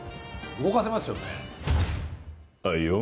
動かせますよね。